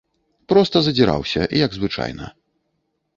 Проста задзіраўся, як звычайна.